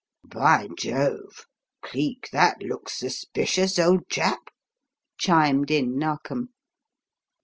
"By Jove! Cleek, that looks suspicious, old chap," chimed in Narkom.